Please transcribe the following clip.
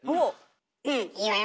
うんいいわよ！